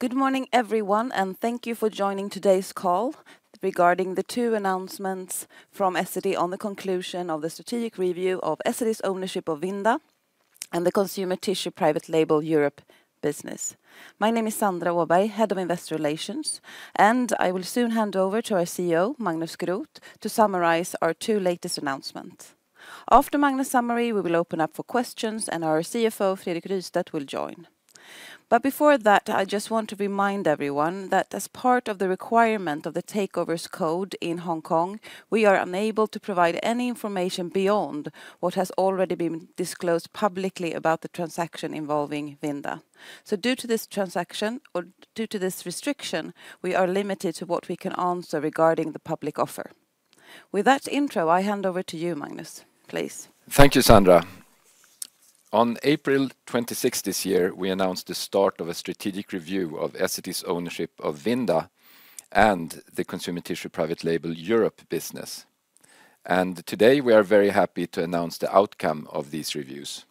Good morning, everyone, and thank you for joining today's call regarding the two announcements from Essity on the conclusion of the strategic review of Essity's ownership of Vinda and the Consumer Tissue Private Label Europe business. My name is Sandra Åberg, Head of Investor Relations, and I will soon hand over to our CEO, Magnus Groth, to summarize our two latest announcements. After Magnus' summary, we will open up for questions, and our CFO, Fredrik Rystedt, will join. But before that, I just want to remind everyone that as part of the requirement of the Takeovers Code in Hong Kong, we are unable to provide any information beyond what has already been disclosed publicly about the transaction involving Vinda. So due to this transaction, or due to this restriction, we are limited to what we can answer regarding the public offer. With that intro, I hand over to you, Magnus, please. Thank you, Sandra. On April 26th this year, we announced the start of a strategic review of Essity's ownership of Vinda and the Consumer Tissue Private Label Europe business. Today, we are very happy to announce the outcome of these reviews.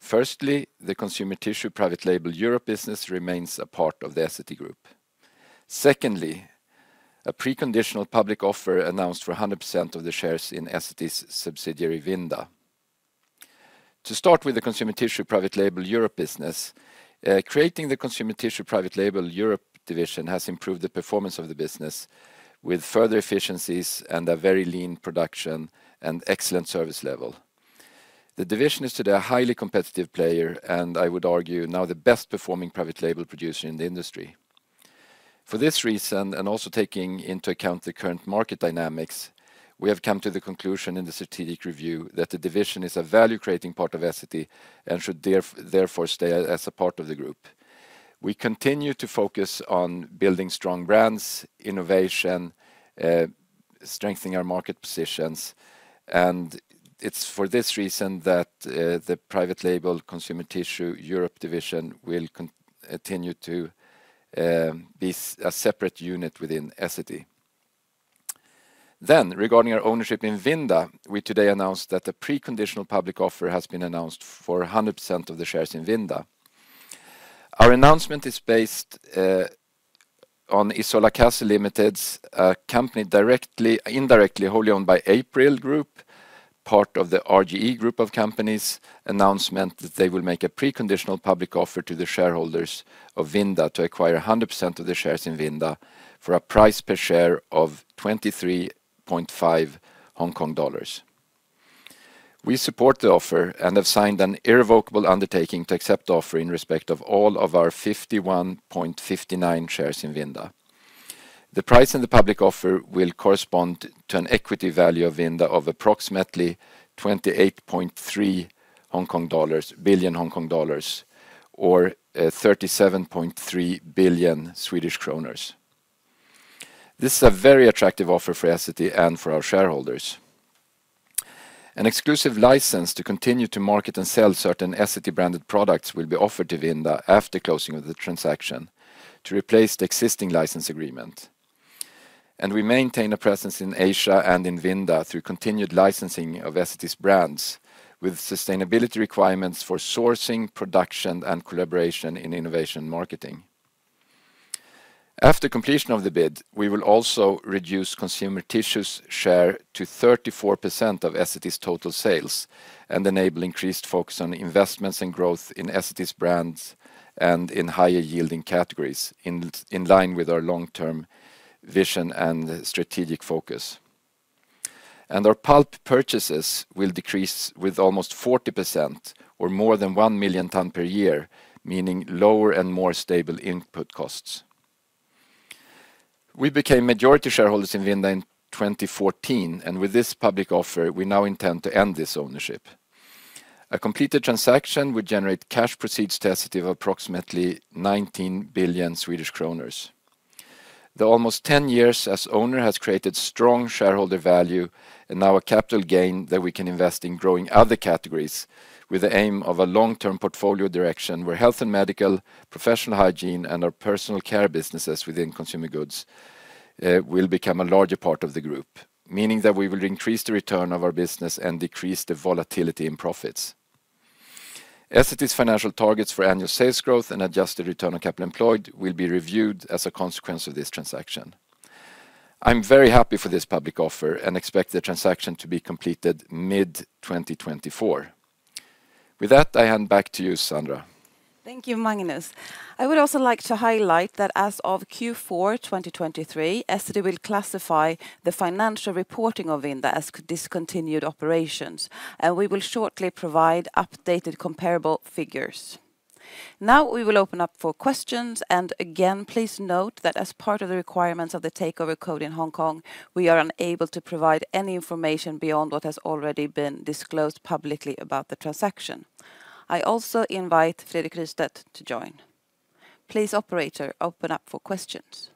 Firstly, the Consumer Tissue Private Label Europe business remains a part of the Essity group. Secondly, a pre-conditional public offer announced for 100% of the shares in Essity's subsidiary, Vinda. To start with the Consumer Tissue Private Label Europe business, creating the Consumer Tissue Private Label Europe division has improved the performance of the business with further efficiencies and a very lean production and excellent service level. The division is today a highly competitive player, and I would argue, now the best-performing private label producer in the industry. For this reason, and also taking into account the current market dynamics, we have come to the conclusion in the strategic review that the division is a value-creating part of Essity and should therefore stay as a part of the group. We continue to focus on building strong brands, innovation, strengthening our market positions, and it's for this reason that the Private Label Consumer Tissue Europe division will continue to be a separate unit within Essity. Then, regarding our ownership in Vinda, we today announced that the pre-conditional public offer has been announced for 100% of the shares in Vinda. Our announcement is based on Isola Castle Limited's, a company directly, indirectly, wholly owned by APRIL Group, part of the RGE Group of companies, announcement that they will make a preconditional public offer to the shareholders of Vinda to acquire 100% of the shares in Vinda for a price per share of 23.5 Hong Kong dollars. We support the offer and have signed an irrevocable undertaking to accept the offer in respect of all of our 51.59 shares in Vinda. The price in the public offer will correspond to an equity value of Vinda of approximately 28.3 billion Hong Kong dollars, or 37.3 billion Swedish kronor. This is a very attractive offer for Essity and for our shareholders. An exclusive license to continue to market and sell certain Essity-branded products will be offered to Vinda after closing of the transaction to replace the existing license agreement. We maintain a presence in Asia and in Vinda through continued licensing of Essity's brands, with sustainability requirements for sourcing, production, and collaboration in innovation marketing. After completion of the bid, we will also reduce Consumer Tissue's share to 34% of Essity's total sales and enable increased focus on investments and growth in Essity's brands and in higher-yielding categories, in line with our long-term vision and strategic focus. Our pulp purchases will decrease with almost 40% or more than 1 million tons per year, meaning lower and more stable input costs. We became majority shareholders in Vinda in 2014, and with this public offer, we now intend to end this ownership. A completed transaction would generate cash proceeds to Essity of approximately 19 billion Swedish kronor. The almost 10 years as owner has created strong shareholder value and now a capital gain that we can invest in growing other categories with the aim of a long-term portfolio direction, where Health and Medical, Professional Hygiene, and our Personal Care businesses within Consumer Goods, will become a larger part of the group, meaning that we will increase the return of our business and decrease the volatility in profits. Essity's financial targets for annual sales growth and adjusted return on capital employed will be reviewed as a consequence of this transaction. I'm very happy for this public offer and expect the transaction to be completed mid-2024. With that, I hand back to you, Sandra. Thank you, Magnus. I would also like to highlight that as of Q4 2023, Essity will classify the financial reporting of Vinda as discontinued operations, and we will shortly provide updated comparable figures. Now, we will open up for questions, and again, please note that as part of the requirements of the Takeovers Code in Hong Kong, we are unable to provide any information beyond what has already been disclosed publicly about the transaction. I also invite Fredrik Rystedt to join. Please, operator, open up for questions.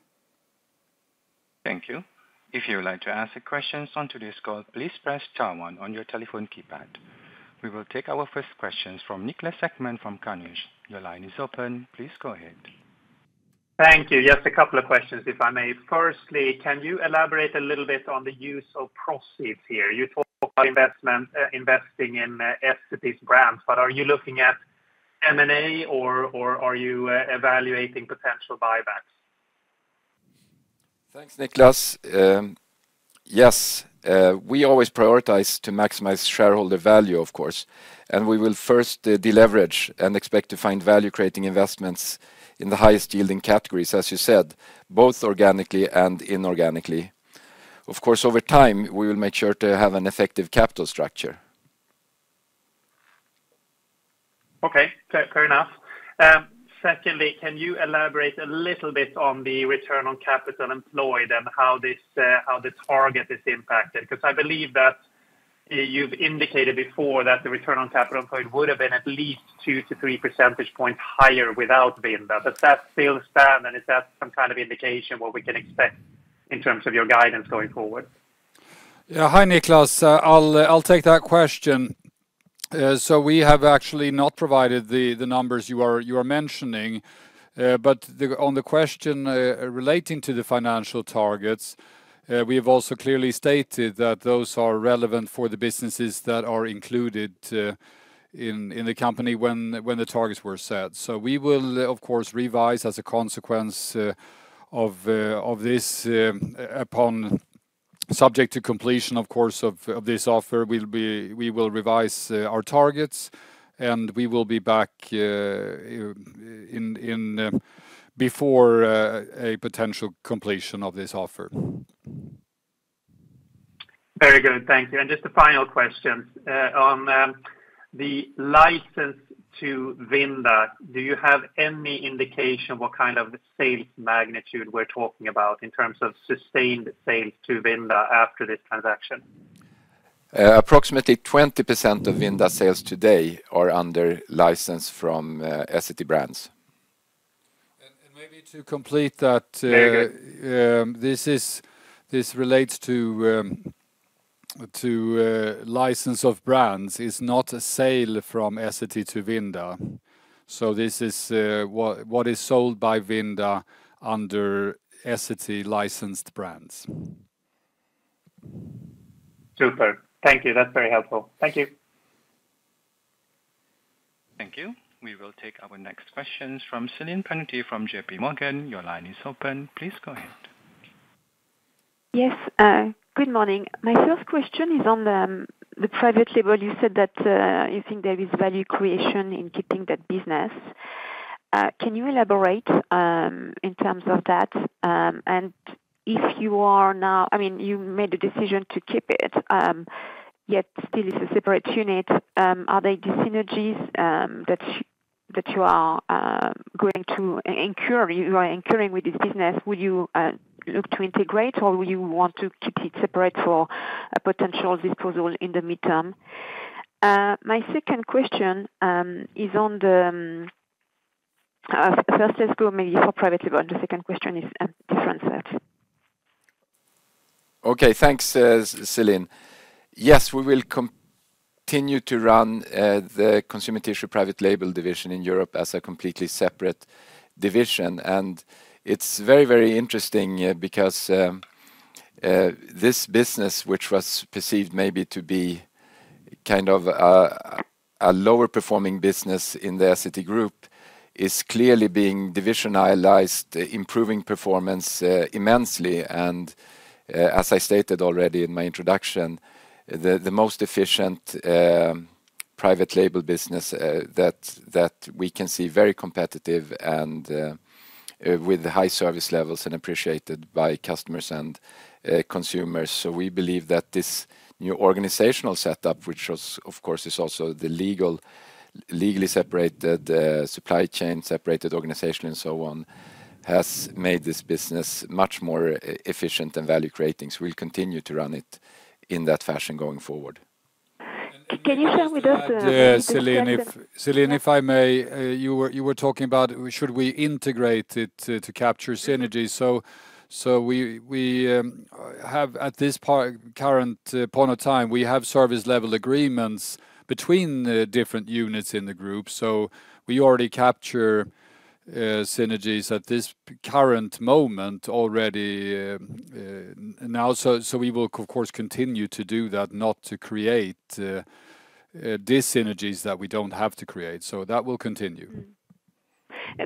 Thank you. If you would like to ask questions on today's call, please press star one on your telephone keypad. We will take our first questions from Niklas Ekman from Carnegie. Your line is open. Please go ahead. Thank you. Just a couple of questions, if I may. Firstly, can you elaborate a little bit on the use of proceeds here? You talk about investment, investing in, Essity's brands, but are you looking at M&A or, or are you, evaluating potential buybacks? Thanks, Niklas. Yes, we always prioritize to maximize shareholder value, of course, and we will first deleverage and expect to find value-creating investments in the highest yielding categories, as you said, both organically and inorganically. Of course, over time, we will make sure to have an effective capital structure. Okay, fair, fair enough. Secondly, can you elaborate a little bit on the return on capital employed and how the target is impacted? Because I believe that, you've indicated before that the return on capital employed would have been at least 2-3 percentage points higher without Vinda. Does that still stand, and is that some kind of indication what we can expect in terms of your guidance going forward? Yeah. Hi, Niklas. I'll take that question. So we have actually not provided the numbers you are mentioning, but on the question relating to the financial targets, we have also clearly stated that those are relevant for the businesses that are included in the company when the targets were set. So we will, of course, revise as a consequence of this, upon subject to completion, of course, of this offer, we will revise our targets, and we will be back in before a potential completion of this offer. Very good. Thank you. Just a final question. On the license to Vinda, do you have any indication what kind of sales magnitude we're talking about in terms of sustained sales to Vinda after this transaction? Approximately 20% of Vinda sales today are under license from Essity Brands. And maybe to complete that, Very good This relates to license of brands. It's not a sale from Essity to Vinda. So this is what is sold by Vinda under Essity-licensed brands. Super. Thank you. That's very helpful. Thank you. Thank you. We will take our next questions from Celine Pannuti from JPMorgan. Your line is open. Please go ahead. Yes, good morning. My first question is on the private label. You said that you think there is value creation in keeping that business. Can you elaborate in terms of that? And if you are now, I mean, you made a decision to keep it, yet still it's a separate unit. Are there synergies that you are going to incur, you are incurring with this business? Will you look to integrate, or will you want to keep it separate for a potential disposal in the midterm? My second question is on the first, let's go maybe for private label, and the second question is a different set. Okay, thanks, Celine. Yes, we will continue to run the Consumer Tissue private label division in Europe as a completely separate division. And it's very, very interesting because this business, which was perceived maybe to be kind of a lower-performing business in the Essity group, is clearly being divisionalized, improving performance immensely. And as I stated already in my introduction, the most efficient private label business that we can see, very competitive and with high service levels and appreciated by customers and consumers. So we believe that this new organizational setup, which was, of course, is also the legally separated supply chain, separated organization and so on, has made this business much more efficient and value-creating. So we'll continue to run it in that fashion going forward. Can you share with us? Yeah, Celine, if I may, you were, you were talking about should we integrate it to, to capture synergies? So, so we, we have at this part, current point of time, we have service level agreements between the different units in the group, so we already capture synergies at this current moment already, now. So, so we will of course continue to do that, not to create dis-synergies that we don't have to create. So that will continue.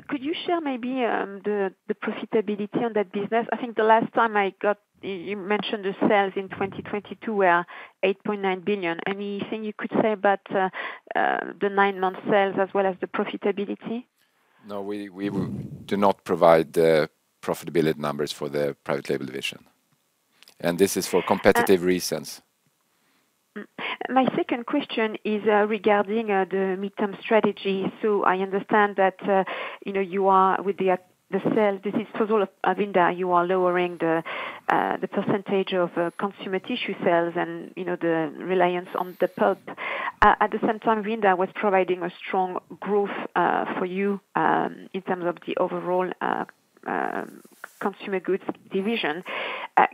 Could you share maybe the profitability on that business? I think the last time I got, you mentioned the sales in 2022 were 8.9 billion. Anything you could say about the nine-month sales as well as the profitability? No, we do not provide the profitability numbers for the private label division, and this is for competitive reasons. My second question is regarding the midterm strategy. So I understand that, you know, you are with the, the sale, this is total of Vinda, you are lowering the, the percentage of, Consumer Tissue sales and, you know, the reliance on the pulp. At the same time, Vinda was providing a strong growth for you in terms of the overall Consumer Goods division.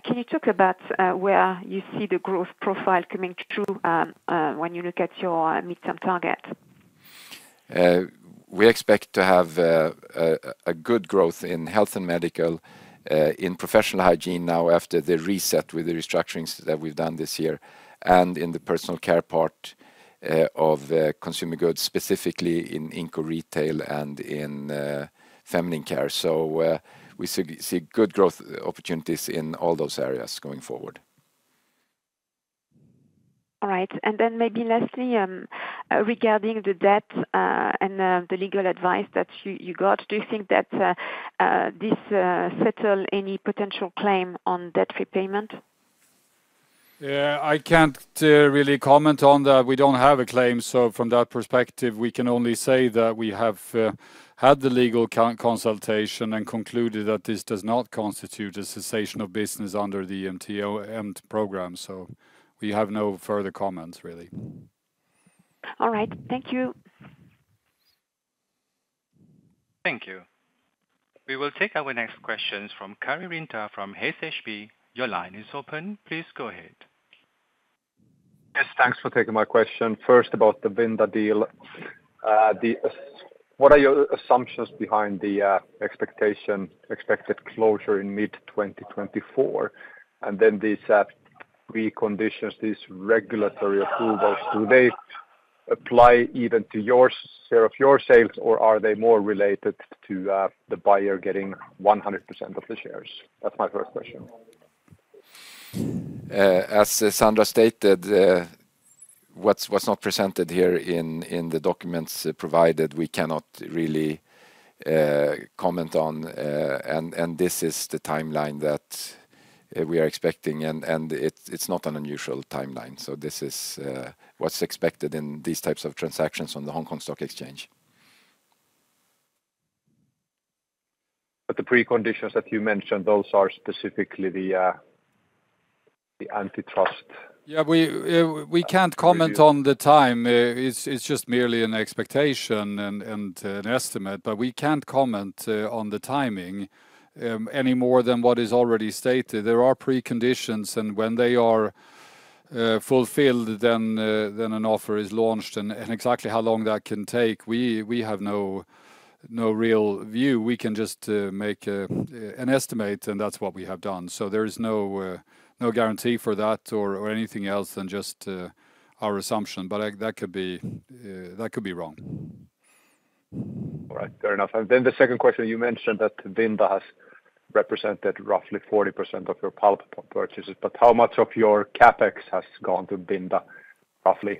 Can you talk about where you see the growth profile coming through when you look at your midterm target? We expect to have a good growth in Health and Medical, in Professional Hygiene now, after the reset with the restructurings that we've done this year, and in the Personal Care part of the Consumer Goods, specifically in retail and in feminine care. So, we see good growth opportunities in all those areas going forward. All right. And then maybe lastly, regarding the debt and the legal advice that you got, do you think that this settle any potential claim on debt repayment? I can't really comment on that. We don't have a claim, so from that perspective, we can only say that we have had the legal consultation and concluded that this does not constitute a cessation of business under the MTN program, so we have no further comments, really. All right. Thank you. Thank you. We will take our next questions from Karri Rinta from Handelsbanken. Your line is open. Please go ahead. Yes, thanks for taking my question. First, about the Vinda deal. What are your assumptions behind the expected closure in mid 2024? And then these pre-conditions, these regulatory approvals, do they apply even to your share of your sales, or are they more related to the buyer getting 100% of the shares? That's my first question. As Sandra stated, what's not presented here in the documents provided, we cannot really comment on. This is the timeline that we are expecting, and it's not an unusual timeline. This is what's expected in these types of transactions on the Hong Kong Stock Exchange. But the preconditions that you mentioned, those are specifically the antitrust? Yeah, we can't comment on the time. It's just merely an expectation and an estimate, but we can't comment on the timing any more than what is already stated. There are preconditions, and when they are fulfilled, then an offer is launched. And exactly how long that can take, we have no real view. We can just make an estimate, and that's what we have done. So there is no guarantee for that or anything else than just our assumption, but that could be wrong. All right. Fair enough. And then the second question, you mentioned that Vinda has represented roughly 40% of your pulp purchases, but how much of your CapEx has gone to Vinda, roughly,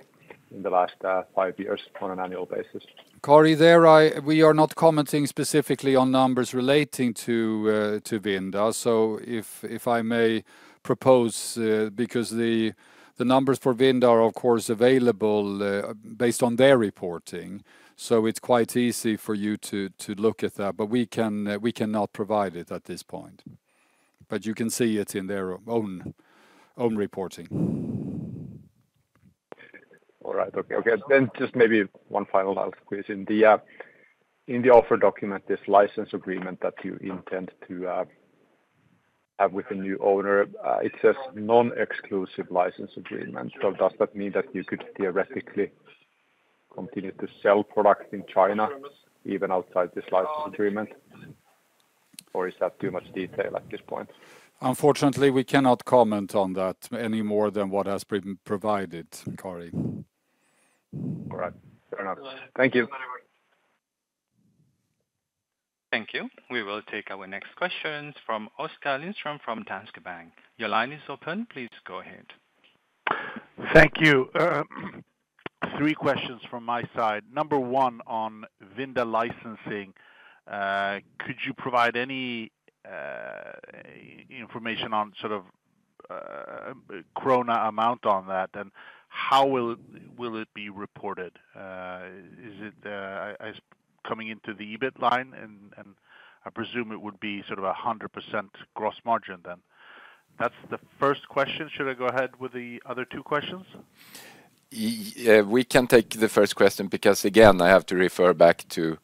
in the last five years on an annual basis? Karri, we are not commenting specifically on numbers relating to Vinda. So if I may propose, because the numbers for Vinda are, of course, available based on their reporting, so it's quite easy for you to look at that. But we cannot provide it at this point, but you can see it in their own reporting. All right. Okay. Okay, then just maybe one final question. The, in the offer document, this license agreement that you intend to, have with a new owner, it says, non-exclusive license agreement. So does that mean that you could theoretically continue to sell products in China, even outside this license agreement, or is that too much detail at this point? Unfortunately, we cannot comment on that any more than what has been provided, Karri. All right. Fair enough. Thank you. Thank you. We will take our next questions from Oskar Lindstrom from Danske Bank. Your line is open. Please go ahead. Thank you. Three questions from my side. Number one, on Vinda licensing, could you provide any information on sort of quota amount on that, and how will it be reported? Is it as coming into the EBIT line, and I presume it would be sort of 100% gross margin then. That's the first question. Should I go ahead with the other two questions? We can take the first question because, again, I have to refer back to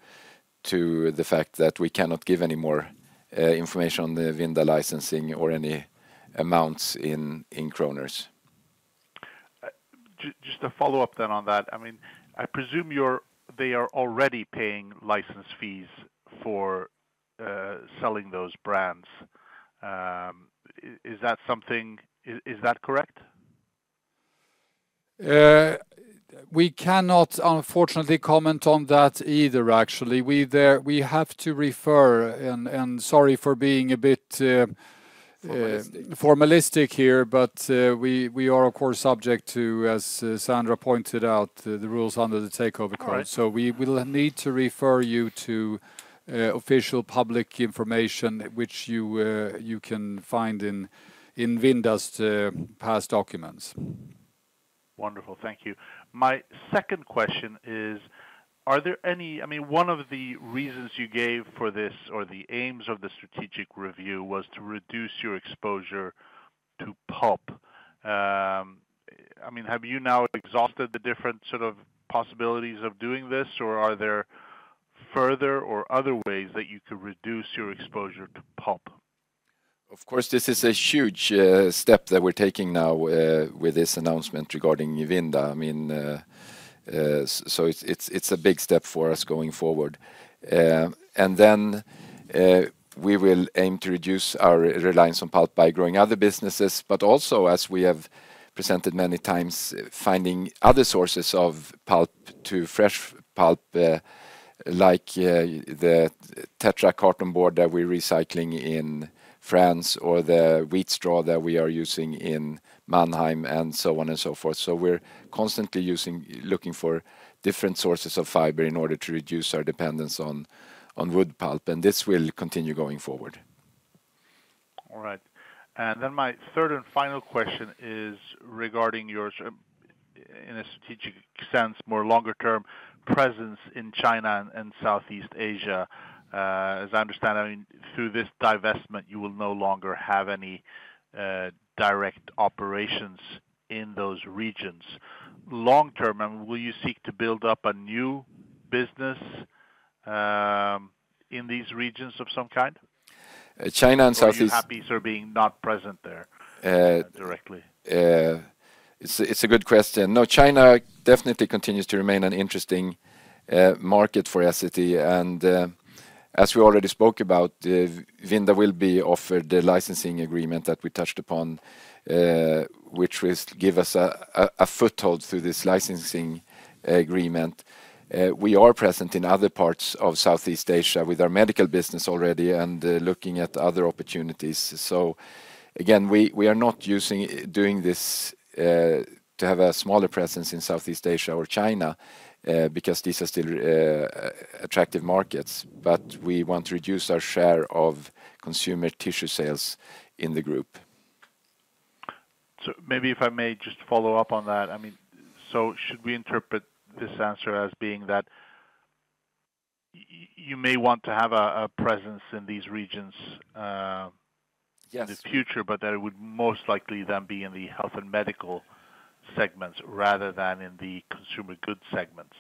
the fact that we cannot give any more information on the Vinda licensing or any amounts in kronor. Just to follow up then on that, I mean, I presume they are already paying license fees for selling those brands. Is that something? Is that correct? We cannot, unfortunately, comment on that either, actually. We have to refer, and sorry for being a bit, Formalistic. Formalistic here, but, we, we are, of course, subject to, as Sandra pointed out, the rules under the Takeovers Code. All right. So we will need to refer you to official public information, which you can find in Vinda's past documents. Wonderful. Thank you. My second question is, are there any? I mean, one of the reasons you gave for this, or the aims of the strategic review, was to reduce your exposure to pulp. I mean, have you now exhausted the different sort of possibilities of doing this, or are there further or other ways that you could reduce your exposure to pulp? Of course, this is a huge step that we're taking now with this announcement regarding Vinda. I mean, so, it's a big step for us going forward. And then, we will aim to reduce our reliance on pulp by growing other businesses, but also, as we have presented many times, finding other sources of pulp to fresh pulp, like, the Tetra carton board that we're recycling in France or the wheat straw that we are using in Mannheim, and so on and so forth. So we're constantly looking for different sources of fiber in order to reduce our dependence on wood pulp, and this will continue going forward. All right. My third and final question is regarding your in a strategic sense, more longer term presence in China and Southeast Asia. As I understand, I mean, through this divestment, you will no longer have any direct operations in those regions. Long term, I mean, will you seek to build up a new business in these regions of some kind? China and Southeast. Or are you happy, sir, being not present there, directly? It's a good question. No, China definitely continues to remain an interesting market for Essity, and, as we already spoke about, Vinda will be offered the licensing agreement that we touched upon, which will give us a foothold through this licensing agreement. We are present in other parts of Southeast Asia with our medical business already, and, looking at other opportunities. So again, we are not doing this to have a smaller presence in Southeast Asia or China, because these are still attractive markets. But we want to reduce our share of Consumer Tissue sales in the group. So maybe if I may just follow up on that. I mean, so should we interpret this answer as being that you may want to have a presence in these regions? Yes. In the future, but that it would most likely then be in the Health and Medical segments rather than in the Consumer Goods segments?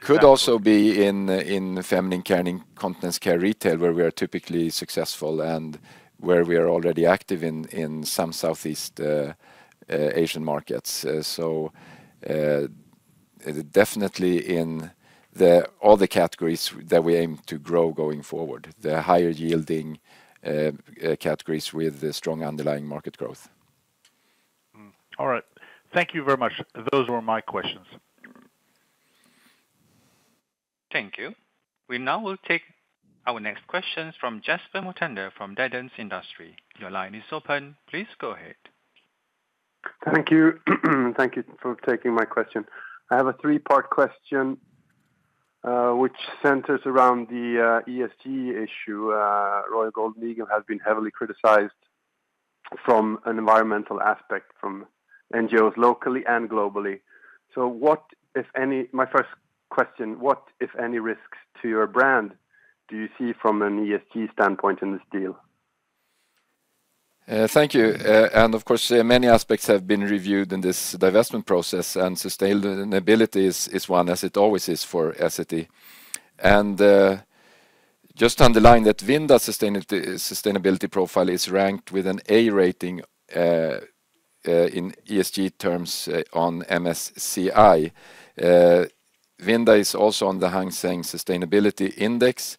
Could also be in the feminine care and incontinence care retail, where we are typically successful and where we are already active in some Southeast Asian markets. So, definitely in all the categories that we aim to grow going forward, the higher yielding categories with strong underlying market growth. All right. Thank you very much. Those were my questions. Thank you. We now will take our next questions from Jesper Mothander from Dagens Industri. Your line is open, please go ahead. Thank you. Thank you for taking my question. I have a three-part question, which centers around the ESG issue. Royal Golden Eagle has been heavily criticized from an environmental aspect, from NGOs, locally and globally. So what, if any. My first question, what, if any, risks to your brand do you see from an ESG standpoint in this deal? Thank you. Of course, many aspects have been reviewed in this divestment process, and sustainability is one, as it always is for Essity. Just to underline that Vinda's sustainability profile is ranked with an A rating in ESG terms on MSCI. Vinda is also on the Hang Seng Sustainability Index,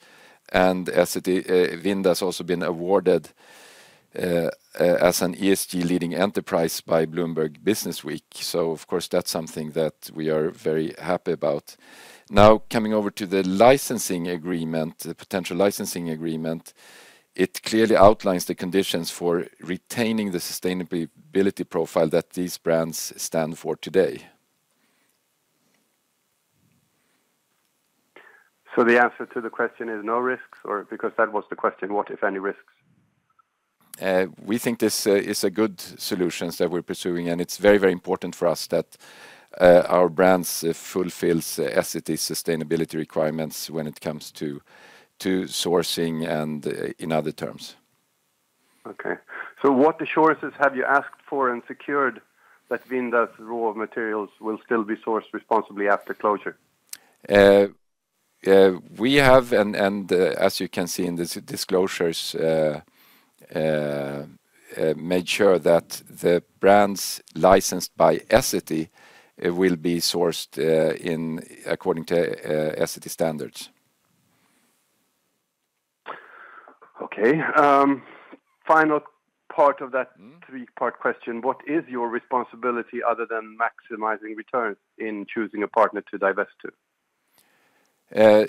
and Vinda has also been awarded as an ESG leading enterprise by Bloomberg Businessweek. So of course, that's something that we are very happy about. Now, coming over to the licensing agreement, the potential licensing agreement, it clearly outlines the conditions for retaining the sustainability profile that these brands stand for today. The answer to the question is no risks? Or, because that was the question, what, if any, risks? We think this is a good solutions that we're pursuing, and it's very, very important for us that our brands fulfills Essity's sustainability requirements when it comes to sourcing and in other terms. Okay. So what assurances have you asked for and secured that Vinda's raw materials will still be sourced responsibly after closure? We have, and as you can see in these disclosures, made sure that the brands licensed by Essity will be sourced in accordance with Essity standards. Okay. Final part of that three-part question. What is your responsibility, other than maximizing returns in choosing a partner to divest to?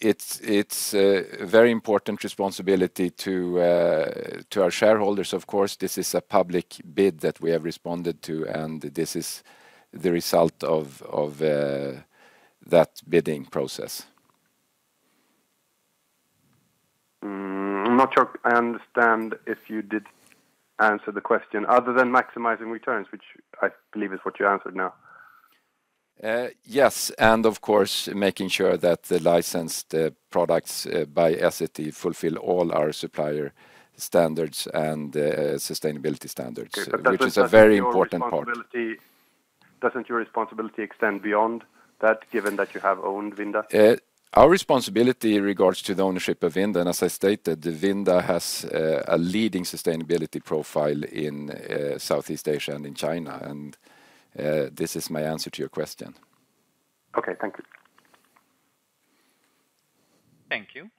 It's a very important responsibility to our shareholders, of course. This is a public bid that we have responded to, and this is the result of that bidding process. I'm not sure I understand if you did answer the question? Other than maximizing returns, which I believe is what you answered now? Yes, and of course, making sure that the licensed products by Essity fulfill all our supplier standards and sustainability standards, which is a very important part. Doesn't your responsibility, doesn't your responsibility extend beyond that, given that you have owned Vinda? Our responsibility in regards to the ownership of Vinda, and as I stated, Vinda has a leading sustainability profile in Southeast Asia and in China, and this is my answer to your question. Okay. Thank you. Thank you.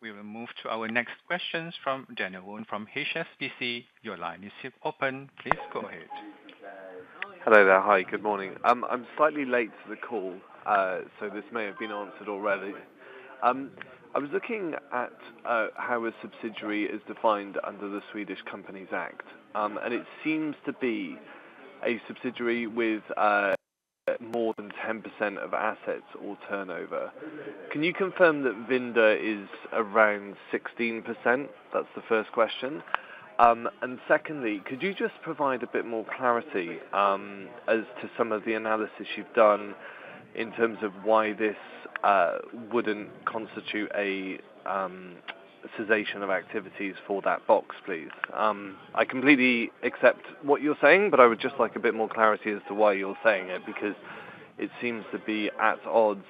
We will move to our next questions from Daniel Wu from HSBC. Your line is still open. Please go ahead. Hello there. Hi, good morning. I'm slightly late to the call, so this may have been answered already. I was looking at how a subsidiary is defined under the Swedish Companies Act, and it seems to be a subsidiary with more than 10% of assets or turnover. Can you confirm that Vinda is around 16%? That's the first question. And secondly, could you just provide a bit more clarity as to some of the analysis you've done in terms of why this wouldn't constitute a cessation of activities for that box, please? I completely accept what you're saying, but I would just like a bit more clarity as to why you're saying it, because it seems to be at odds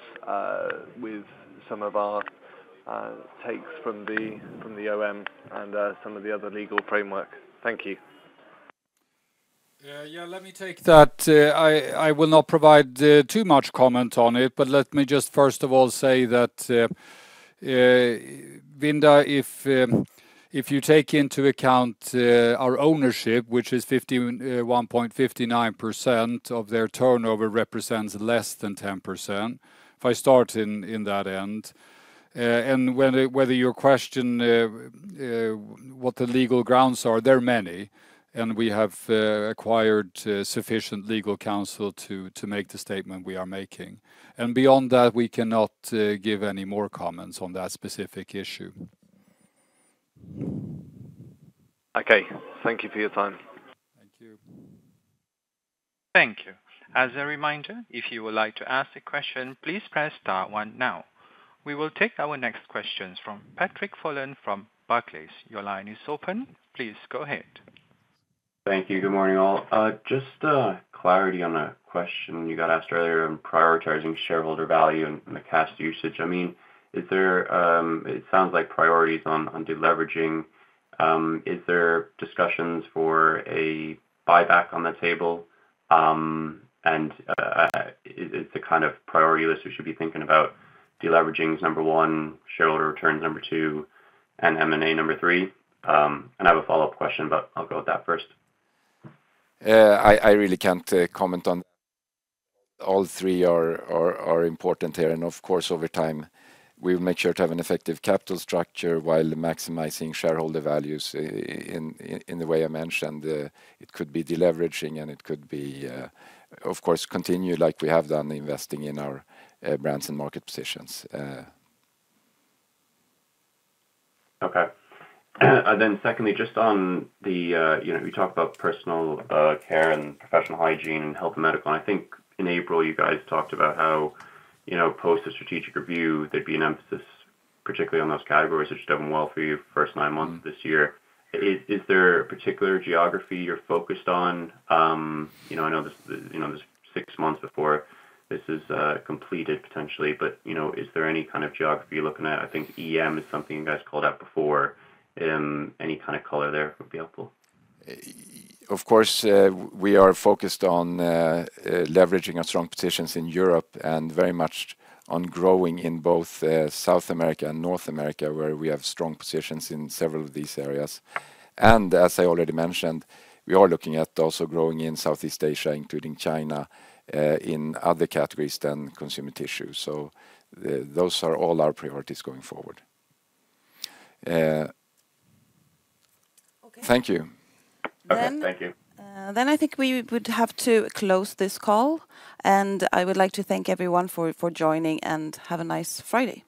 with some of our takes from the OM and some of the other legal framework. Thank you. Yeah, let me take that. I will not provide too much comment on it, but let me just first of all say that, Vinda, if you take into account our ownership, which is 51.59% of their turnover, represents less than 10%, if I start in that end. And whether your question what the legal grounds are, there are many, and we have acquired sufficient legal counsel to make the statement we are making. And beyond that, we cannot give any more comments on that specific issue. Okay. Thank you for your time. Thank you. Thank you. As a reminder, if you would like to ask a question, please press star one now. We will take our next questions from Patrick Folan from Barclays. Your line is open. Please go ahead. Thank you. Good morning, all. Just clarity on a question you got asked earlier on prioritizing shareholder value and the cash usage. I mean, is there. t sounds like priority is on deleveraging. Is there discussions for a buyback on the table? And is the kind of priority list we should be thinking about deleveraging is number 1, shareholder returns number 2, and M&A number 3? And I have a follow-up question, but I'll go with that first. I really can't comment on that. All three are important here, and of course, over time, we'll make sure to have an effective capital structure while maximizing shareholder values in the way I mentioned. It could be deleveraging, and it could be, of course, continue like we have done, investing in our brands and market positions. Okay. And then secondly, just on the, you know, you talked about Personal Care and Professional Hygiene and Health and Medical. I think in April, you guys talked about how, you know, post a strategic review, there'd be an emphasis, particularly on those categories, which done well for you first nine months this year. Is there a particular geography you're focused on? You know, I know this, you know, there's six months before this is completed potentially, but, you know, is there any kind of geography you're looking at? I think EM is something you guys called out before. Any kind of color there would be helpful. Of course, we are focused on leveraging our strong positions in Europe and very much on growing in both South America and North America, where we have strong positions in several of these areas. As I already mentioned, we are looking at also growing in Southeast Asia, including China, in other categories than Consumer Tissue. Those are all our priorities going forward. Okay. Thank you. Okay. Thank you. Then I think we would have to close this call, and I would like to thank everyone for joining, and have a nice Friday.